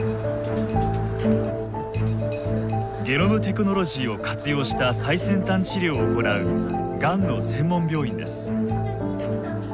ゲノムテクノロジーを活用した最先端治療を行うがんの専門病院です。